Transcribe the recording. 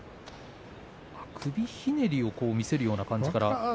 首ひねりを見せるような感じ。